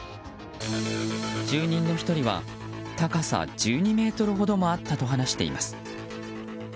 住民の１人は高さ１２ｍほどもあったと話しています。